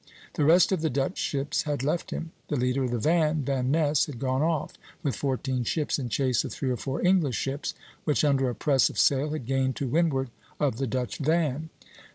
The rest of the Dutch ships had left him. The leader of the van, Van Ness, had gone off with fourteen ships in chase of three or four English ships, which under a press of sail had gained to windward of the Dutch van [Fig.